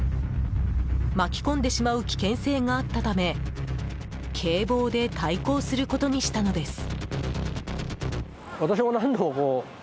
巻き込んでしまう危険性があったため警棒で対抗することにしたのです。